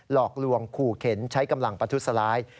หลอกลวงขู่เข็นใช้กำลังประทุษร้าย